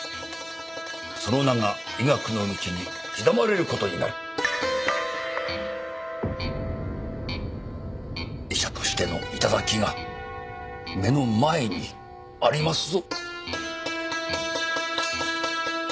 その名が医学の道に刻まれることになる医者としての頂が目の前にありますぞ